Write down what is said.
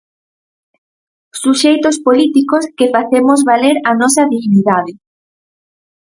Suxeitos políticos que facemos valer a nosa dignidade.